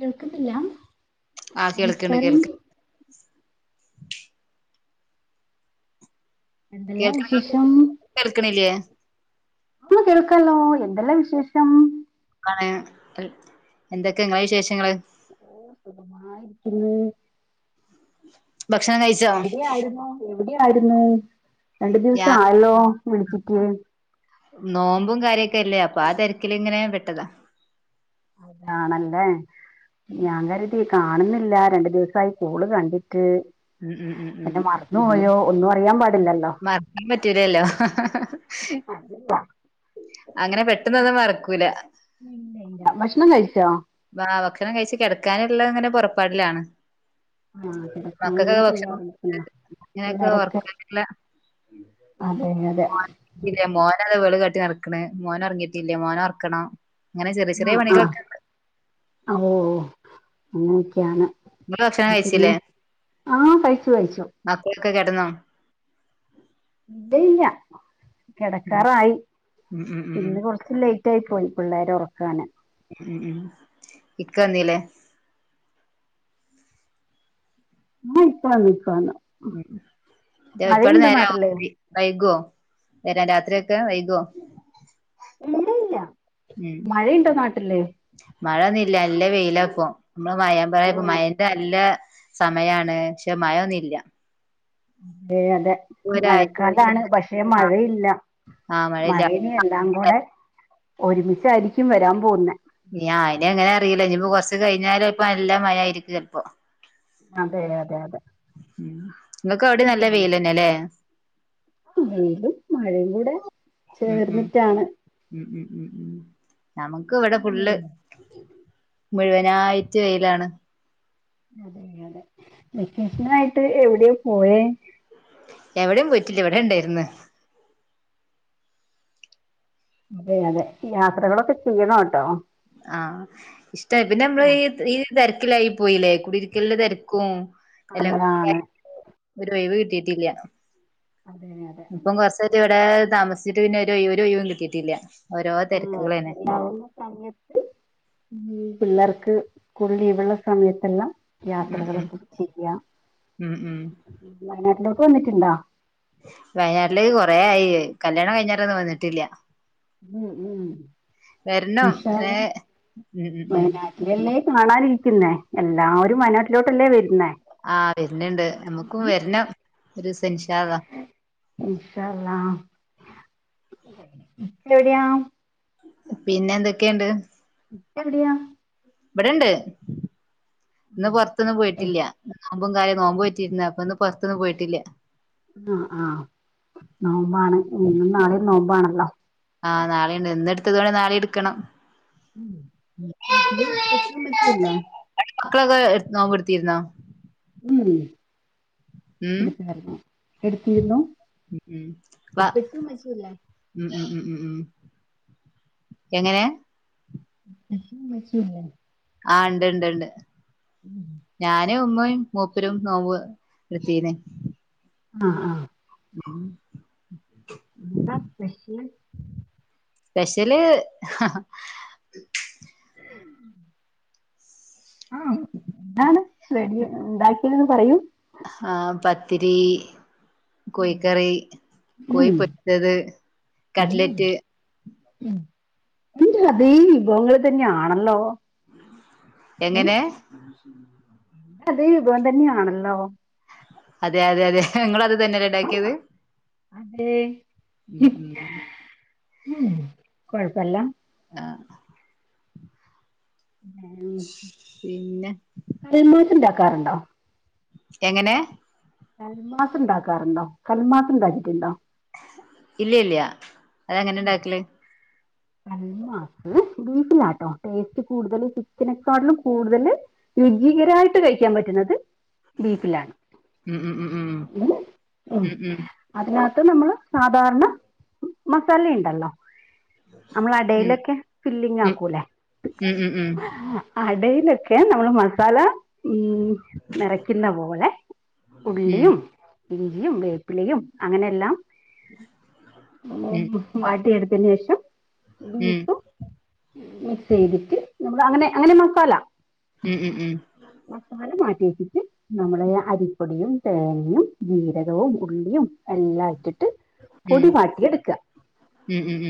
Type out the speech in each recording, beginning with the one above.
കേൾക്കുന്നില്ല ആ കേൾക്കണ്ട് നമസ്കാരം കേൾക്ക് എന്തെല്ലാം കേൾക്ക വിശേഷം കേൾക്കണില്ലേ ഇപ്പള് കേൾക്കാലോ എന്തെല്ലാം വിശേഷം സുഖാണ് എന്തൊക്കെ നിങ്ങളെ വിശേഷങ്ങള് ഓ സുഖമായിയിരിക്കുന്ന് ഭക്ഷണം കഴിച്ച എവിടെ ആയിരുന്നു എവിടെ ആയിരുന്നു രണ്ടു ഞാ ദിവസം ആയല്ലോ വിളിച്ചിട്ട് നോമ്പും കാര്യൊക്കെ അല്ലേ അപ്പൊ ആ തിരക്കിലിങ്ങനെ പെട്ടതാ ആണല്ലേ ഞാൻ കരുതി കാണുന്നില്ല രണ്ടു ദിവസമായി കോള് കണ്ടിട്ട് മം ഉം ഉം ഉം പോയോ ഒന്നും അറിയൻ പാടില്ലല്ലോ മറക്കാൻ പറ്റൂലല്ലോ അങ്ങനെ പെട്ടെന്നൊന്നും മറക്കൂല ഇല്ല ഇല്ല ഭക്ഷണം കഴിച്ചോ ബ ഭക്ഷണം കഴിച്ചു കിടക്കാനുള്ളഅങ്ങനെ പുറപ്പാടിലാണ് ആ കിടക്കാനുള്ള മക്കൾക്കൊക്കെ തയ്യാറെടുപ്പില്ല ഭക്ഷണംകൊടുത്ത് അനക്കെ പിള്ളേരൊക്കെ ഉറക്കല്ല അതെ അതെ ഇല്ലേ മോന അത് വെള് കാട്ടിനട ക്കണ് മോനൊറങ്ങീട്ടില്ലാ മോന ഉ റക്കണം ആ ആഹ ഓ ഓ നിങ്ങള് ഭക്ഷണം അങ്ങനെയൊക്കെയാണ് പിന്നെ കഴിച്ചില്ലേ ആഹ കഴിച്ചു കഴിച്ചു മക്കളൊക്കെ കെടന്നോ ഇല്ലയില്ല ഉം കെടക്കാറായി ഉം ഉം ഉം ഉം ഇന്ന് കുറച്ച് ലേറ്റായി പോയി പിള്ളേരെ ഉറക്കാന് ഉം ഉം ഇക്ക വന്നീലെ ആഹ ഇപ്പാണ് ഇപ്പാണ് ഉ അതാ ഒരുപാട് നേര നാട്ടില് ആവോങ്കി വൈകുവോ വരാൻ രാത്രിയൊ ക്കെ വൈകുവൊ ഇല്ലയില്ല മഴയ്ണ്ടോ നാട്ടില് മഴൊന്നില്ല നല്ല വെയില പ്പൊ നമ്മ മഴം പറ ആ മ ഇത നല്ല സമയാണ് പക്ഷെ മഴയൊ ന്നുംല്ല അതെ അതെ ഒരാഴ്ചയായിട്ട് മഴക്കാലാണ് പക്ഷെ ആഹ് മഴയില്ല ആഹ് മഴയില്ല മഴയിനി എല്ലാം കൂടെ ഒരുമിച്ചായിരിക്കും വരാൻ പോകുന്നെ നി അയിന എങ്ങനെ അറിയില്ല ഇനിപ്പൊ കൊറച്ച് കഴിഞ്ഞാലും പ്പൊ നല്ല മഴ ആയിരിക്കും. ചെലപ്പൊ അതെ അതെ അതെ ങ്ങക്ക് അവിടെ നല്ല വെയിൽന്നെ അല്ലേ വൈലും മഴയും കൂടെ ഉം ഉം ചേർന്നിറ്റാ ണ് ഉം ഉം ഉം ഉ നമുക്ക് ഇവിടെ ഫുള്ള് ഉം മുഴുവനായിറ്റ് വെയിലാണ് അതെയ തെ വെക്കേഷണായിട്ട് എവിടെയുപോയെ എവിടെയും പോയിറ്റില്ല ഇവിടെ ണ്ടായിരുന്ന് അതെ അതെ യാത്രകളൊക്കെ ചെയ്യണോട്ടൊ. ആഹ് ഇഷ്ടായി പിന്നെ നമ്മള് ഈ തിരക്കിലായി പോയില്ലേ. കുടിയിരിക്കൽൻ്റെ തിരക്കും അതെ എല്ലാം [unintelligible] ക അതാണ് ഒരു ഒയിവ് കിട്ടീട്ടില്ല. അതെ അതെ പ്പം കുറച്ചായിട്ടിവിടെ താമസിച്ചട്ട് പിന്നെ ഒരൈ ഒരൊയിവും കിട്ടീട്ടില്ല. [unintelligible] ആുന്ന സമയത്ത് പിള്ളേർക്ക് സ്കൂൾ ലീവ്ള്ള സമയത്തെല്ലാം ഉം ഉം യാത്രകളൊക്കെ ചെയ്യാ. ഉം ഉം വയനാട്ടിലോട്ട് വന്നിട്ടുണ്ടാ? വയനാട്ടില് കൊറേയി കല്യാണം കിഞ്ഞേരൊന്നും വന്നിട്ടില്ല. ഉം വരണം ഏ ഉംഇൻശാള്ള ഉം ഉം വ ഉം ഇനില്ലെകാണാനിരിക്കുന്നേ എല്ലാരും വയനാട്ടിലോട്ടല്ലേ വരുന്നെ. ആഹ് വെര്ന്ണ്ട് ഞമ്മുക്കും വര്നം ഒരു ദിവസം ഇൻഷാഅള്ള. ഇൻഷാഅള്ളാ എവിടെയാ. പിന്നെന്തൊക്കെണ്ട്. എവിടിയ? ബടെണ്ട് ആ ഇന്ന് പൊർത്തൊന്നും എ- പോയിറ്റില്ല. [unintelligible] ആുമമ്പും കാര്യം നോമ്പോറ്റിര്ന്ന് അപ്പൊന്ന് പുറത്തൊന്നും പോയിട്ടില്ല. ആ ആഹ് നോമ്പാണ് ഇന്നും നാളിം നോമ്പാണല്ലോ. ആഹ് നാളീണ്ട് ഇന്ന്ടത്തതോണ്ട് നാളീട്ക്കണം. ഉം വീട്ടില് ഉപ്പച്ചും ഉമ്മച്ചിയും ഇല്ലേ മക്കളൊക്കെ നോമ്പ്ട്ത്തീര്ന്നോ? ം [unintelligible] ഉം ഇപ്പാരരുന്നു എട്ത്തീര്ന്നു. അ് ് വ ് ് ് ് ്എങ്ങനെ? [unintelligible] അ മച്ചല്ല ആഹ് ണ്ട് ണ്ട് ണ്ട് ം ഞാനും ഉമ്മയും മൂപ്പരും നോമ്പ് ട്ത്തീന്ന് ആ ആ ഉം ന്താ പറ്റി. സ്പെഷ്യല് ഹ്ഹ ഉം [unintelligible] ആ എന്താണ് ഡി [unintelligible] ഉണ്ടാക്കീയണത് പറയൂ. ആ പത്തിരി. കോഴിക്കറി ഉം കോഴിപൊര്ച്ചത് കട്ട്ലെറ്റ്. ഉം ന്റെ അതേ വിഭവങ്ങള് തന്നെആണല്ലോ. എങ്ങനെ? എന്റെ അതേ വിഭവം തന്നെആണല്ലോ. അതെ അതെ അതെ ഹ് ങ്ങളും അത് ആണോ? തന്നെല്ലെണ്ടാക്കിയത് അതെ ് ് ഉം കൊഴപ്പല്ല. ആ പിന്നെ. [unintelligible] കര മാസം ഉണ്ടാക്കാറുണ്ടോ? എങ്ങനെ? കൽമാസ് ണ്ടാക്കാറുണ്ടോ? കൽമാസ ഉണ്ടാക്കീറ്റ്ണ്ടോ? ഇല്ല ഇല്ല്യ അതെങ്ങനെ ണ്ടാക്കല്. കൽമാസ് ബീഫിലാട്ടോ ടേസ്റ്റ് കൂടുതല് ചിക്കനെക്കാട്ടിലും കൂടുതല്. രുചികരായിട്ട് കഴിക്കാം പറ്റുന്നത് ബീഫിലാണ്. ഉം ഉം ഉം ഉം ഉം അതിനകത്ത് നമ്മള് സാധാരണ മസാലെണ്ടല്ലോ. നമ്മള ഉം അടയിലൊക്കെ ഫില്ലിങ് ആക്കൂല്ലേ ഉം ഉം ഉം ഉം ഉം ഉം ഉം ഉം ഉം ഉം ഉം ഉം ഉം ഉം അടയിലൊക്കെ നമ്മൾ മസാല നിറയ്ക്കുന്ന പോലെ ഉള്ളിയും ഇഞ്ചിയും വേപ്പിലയും അങ്ങനെയെല്ലാം വാട്ടി എടുത്തൻ ശേഷം ബീഫും മിക്സ് ചെയ്തിട്ട് നമ്മ അങ്ങനെ അങ്ങനെ മസാല ഉം മസാല മാറ്റ ആക്കിട്ട് നമ്മളെ അരിപ്പൊടിയും തേനയും ജീരകവും ഉള്ളിയും എല്ലാം ഇട്ടിട്ട് പൊടി വാട്ടി എടുക്ക ഉം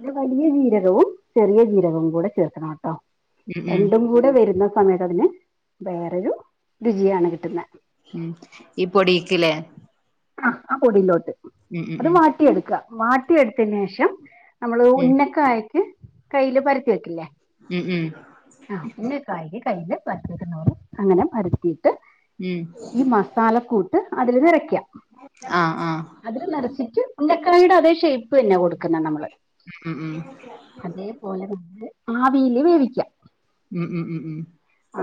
അത് വലിയ ജീരകവും ചെറിയ ജീരകവും കൂടെ ചേർക്കണം കേട്ടോ ഉം ഉം രണ്ടും കൂടെ വരുന്ന സമയത്ത് അതിന് വേറൊരു രുചിയാണ് കിട്ടുന്നത്. ഉം ഈ പൊടക്കില്ലേ ആ ആ പൊടിയിലോട്ട് ഉം ഉം അത് ഉം വാട്ടിയെടുക്ക വാട്ടിയെടുത്തന് ശേഷം നമ്മള് ഉം ഉന്നക്ക ആായിട്ട കയ്യില് പരത്തി വെക്കില്ലേ ഉം ഉം ആ കയ്യിൽ അങ്ങനെ പിരുത്തിയിട്ട് ഉം ഈ മസാല കൂ അതില് നിറയ്ക്കാം ആഹ് ആഹ് അതില് നിറച്ചിട്ട് ഉന്നക്കായുടെ അതേ ഷെയ്പ്പ് തന്നെ കൊടുക്കുന്ന നമ്മള് ഉം ഉം അതേപോലെ നമ്മള് ആവിൽ വേവിക്കാം ഉം ഉം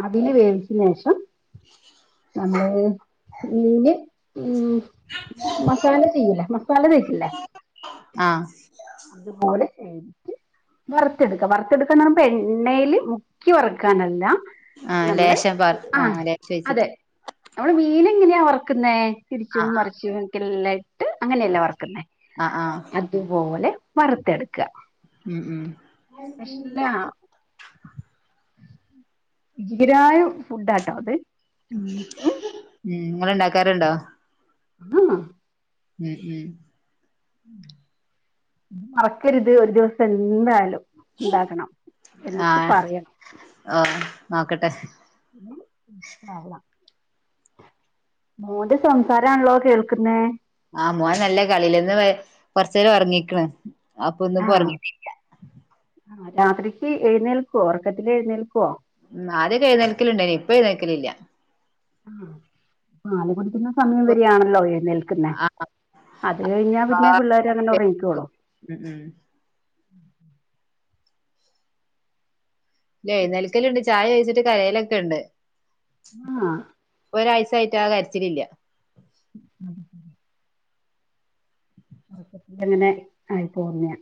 അതിന് വേവിച്ച ശേഷം ഹും നമ്മള് ഇന് മസാല തേക്കില്ലേ ആഹ് അതുപോലെ ശരിട്ട വറുത്തെടുക്ക വറുത്തെടുക്കന്ന് പറയുമ്പ എണ്ണയില് മുക്കി വറുക്കാനല്ല ആഹ് നമ്മള് ലേശം പറ ആ ആഹ് ലേശ വെച്ചിട്ട് അതെ നമ്മള് മീൻ ഇങ്ങനെയാ വർക്കുന്ന തിരിച്ചും ആഹ് മറിച്ചും ഒക്കെല്ല ഇട്ട് അങ്ങനെയല്ല വറക്കുന്നേ ആഹ് ആഹ് ആഹ് അതുപോലെ വറുത്തെടുക്കുക. ഉം ഉം ഉം ജീരായ ഫുഡാട്ടോ അത് ഇങ്ങെൾ ഉണ്ടാക്കാറണ്ടോ? അഹ് ഉം ഉം ഉം മറക്കരുത് ഒരു ദിവസം എന്താലും ഉണ്ടാക്കണം. എന്നിട്ട് പറയണം ആ നോക്കട്ടെ ഇൻ ഷ അല്ലാഹ് മോന്റെ സംസാരമാണല്ലോ കേൾക്കുന്ന ആ മോൻ നല്ല കളിൽന്ന് കൊറച്ച നേരം ഉറങ്ങിക്കണ് അപ്പൊ ഒന്നിപ്പോ ഉറങ്ങ ആ രാത്രിക്ക് എഴുന്നേൽക്കുവോ? ഉറക്കത്തില് എഴുന്നേൽക്കുവോ ഉം ആദ്യം എഴുന്നനൽക്കലുണ്ടേനി ഇപ്പൊ എഴുന്നൽക്കലില്ല. ആഹ് സമയം ഇപ്പൊ വരിയാണല്ലോ എഴ്ന്നേൽക്കുന്നെ അത് കഴിഞ്ഞാ പിന്നെ പിള്ളേർ അങ്ങനെ ഉറങ്ങിക്കൊള്ളും ഉറങ്ങിക്കൊള്ളും ഉം ഉം എഴുന്നേൽക്കല്ലുണ്ട് ചായ കഴിച്ചിട്ട് കരയിലൊക്കെ ഉണ്ട്. ആഹ് ഒരാഴ്ച്ച ആായിട്ട് ആ കരച് ലില്ല ഉറക്കട്ട അങ്ങനെ ആയിപ്പോോർന്ന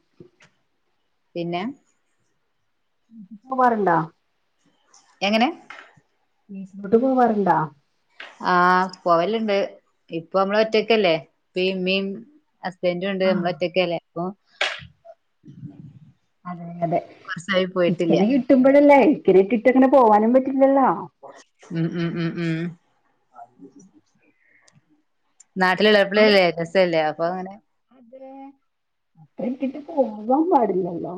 പിന്നെ പോവാറുണ്ടോ എങ്ങനെ വീട്ടിക്ക്പോവറുണ്ടോ ആഹ് പോവലുണ്ട് ഇപ്പൊ നമ്മള ഒറ്റക്കല്ലേ ഇപ്പ ഇ മീ ഹസ്ബൻറ ഉണ്ട് നമ്മള ആഹ് ഒറ്റക്കല്ലേ അപ്പൊ അതെ അതെ കൊറച്ചായി പോയിട്ടില്ല ഇക്കനെ കിട്ടുമ്പോഴല്ലേ ഇക്കന ഇട്ടിട്ട്ങ്ങനെ പോവാനും പറ്റില്ലല്ലോ ഉം ഉം ഉം ഉം നാട്ടില് ഇളപ്പില്ലല്ലെരസല്ലേ അപ്പൊ അങ്ങന അെ അപ്പ്ര വീട്ട്ക്ക് പോവാൻ പാടിലല്ലോ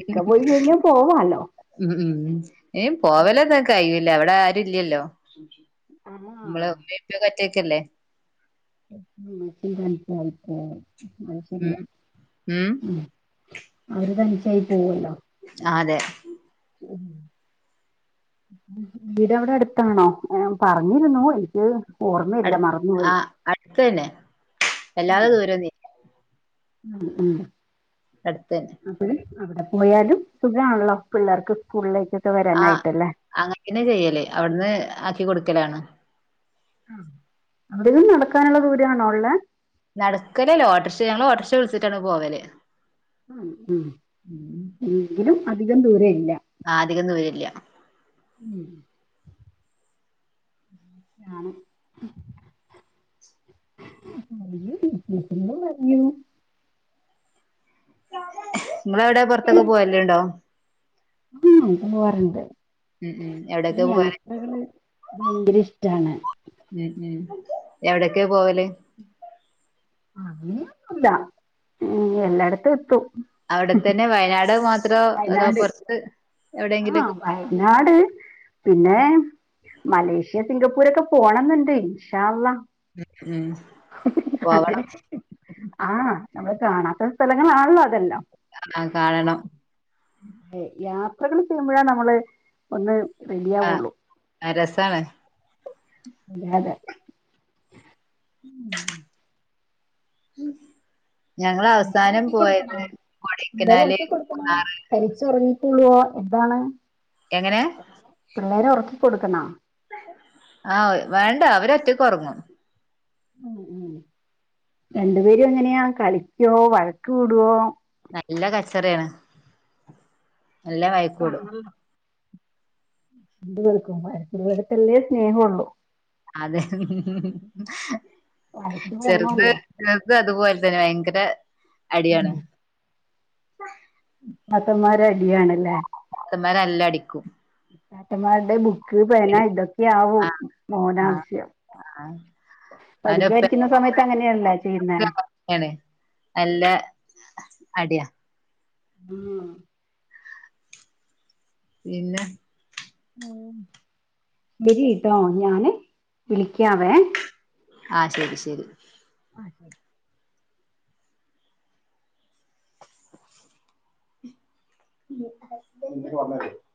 ഇക്ക പോയി കഴിഞ്ഞ പോവാ ലോ ഉം ഉ എംപോവലക്കെ കഴില്ല അവിടെ ആരില്ലല്ലോ നമ്മള ആഹ് ഉമ്മിം പ്പിം ഒറ്റക്കല്ലേ ആ ചിന്ത അനപ്പ അനക്ക് അ [unintelligible] ത് ശരിയാ ഉം ഉം ഉ അവര് തനിച്ചായി പോവല്ലോ അ അതെ വീടെ അവിടെ അടുത്താണോ പറഞ്ഞിരുന്നു എനിക്ക് ഓർമ്മയില്ല അടു മറന്നോയി ആഹ് അടുത്തന്നെ വല്ലാതെ ദൂരൊന്നുല്ല ഉം ഉം അടുത്തന്നെ അ അവിടെ പോയാലും സുഖമാണല്ലോ പിള്ളേർക്ക് സ്കൂളിലേക്കൊക്ക വരാനായിട്ടല്ലേ അങ്ങനെ തന്നെചെയ്യല് അവിടുന്ന് ആക്കി കൊടുക്കലാണ് അവിടെും നടക്കാനുള്ള ദൂരമാണോ ഉള്ളെ നടക്കലല്ലേ ഓട്ടറിക്ഷ ഞങ്ങങ്ങള് ഓട്ടറിക്ഷ വിളിച്ചിട്ടാണ് പോവല് ഉ ഉം എങ്കിലും അധികം ദൂര രംഇല്ല ആ അധികം ദൂരം ല്യ ഉം ആണ് അന്ന് പറഞ്ഞു [unintelligible] നിങ്ങളവിടെ പുറത്തൊക്കെ പോയല് ഉണ്ടോ ഉം പോവാറുണ്ട് ഉം ഉം എവിടൊക്കെ ഇവിടെ പോവല് യാത്രകള് ഭയങ്കര ഇഷ്ടാണ് ഉ ഉം എവിടക്കെയ പോവല് അല്ല എല്ലായിടത്തും എത്തു അവിടെത്തന്നെ വയനാട് മാത്രോ അതോ വയനാട് പുറത്ത് എവിടെയെങ്കിലും ആഹ് ക്കെ വയനാട് പിന്നെ മലേഷ്യ സിംഗപ്പൂർൊക്കെ പോണംെന്നുണ്ട് ഇൻഷാ അ ഉ ഉം അതെ പോവണം ആഹ നമ്മള് കാണാത്ത സ്ഥലങ്ങളാണല്ലോ അതെല്ലാം ആ കാണണം അ യാത്രകള് ചെയ്യുമ്പോഴേ നമ്മള് ഒന്ന് റെഡി ആവുള്ളൂ ആഹ് രസാണ് അതെ ഞങ്ങള് പിള്ളേരെ അവസാനം ഉറക്കി കൊടുക്കണോ പോയത് കൊടക്കനാല് മൂന്നാറ് പരിച്ചിറങ്ങിട്ടുള്ളുവോ എന്താണ് എങ്ങനെ പിള്ളേര് ഉറക്കി കൊടുക്കണ ആഹ് വേണ്ട അവരൊറ്റക്ക് ഉറങ്ങും ഉം ഉം രണ്ട് പേരും എങ്ങനെയാ കളിക്കുവോ വഴക്ക് കൂടുവോ നല്ല കച്ചറയാണ് നല്ല വഴക്ക് കൂടും രണ്ട് പേർക്കും വഴക്കുള്ളടുത്തല്ലേ സ്നേഹമുള്ളു അതെ വഴക്ക് ചെറുത് വേണമല്ലോ ചെറുത്‌ അതുപോലെ തന്നെ ഭയങ്കര അടിയാണ് ഏട്ടന്മാര് അടിയാണല്ലേ ഏട്ടന്മാര് നല്ല അടിക്കും ഏട്ടന്മാരുടെ ബുക്ക് പേന ഇടി- ഇതൊക്കെയാവും ആ മോന് ആ ആവശ്യം ആ അവന്റെ പഠിക്കാൻ ഉപ്പ ഇരിക്കുന്ന സമയത്ത് അങ്ങനെയാണല്ലോ ചെയ്യുന്നേ ആണ് നല്ല അടിയാ ഉം പിന്നെ ഉം ശരി കേട്ടോ ഞാന് വിളിക്കാവേ. ആഹ് ശരി ശരി ആഹ് [unintelligible]